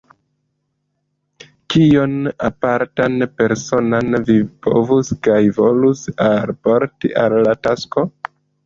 Kion apartan, personan, vi povus kaj volus alporti al la tasko?